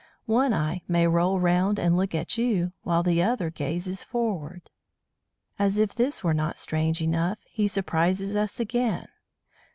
One eye may roll round and look at you, while the other gazes forward. As if this were not strange enough, he surprises us again.